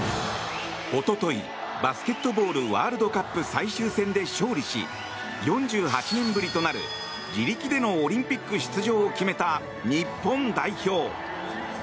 おととい、バスケットボールワールドカップ最終戦で勝利し４８年ぶりとなる自力でのオリンピック出場を決めた日本代表。